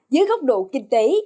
dưới góc độ kinh tế